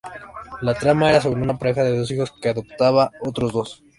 La trama era sobre una pareja con dos hijos que adoptaba otros dos.